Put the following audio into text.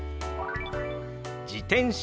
「自転車」。